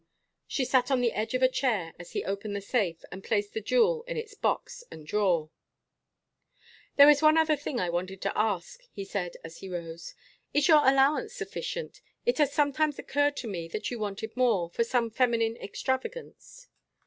She sat on the edge of a chair as he opened the safe and placed the jewel in its box and drawer. "There is one other thing I wanted to ask," he said as he rose. "Is your allowance sufficient? It has sometimes occurred to me that you wanted more for some feminine extravagance."